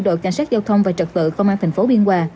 đội cảnh sát giao thông và trật tự công an thành phố biên hòa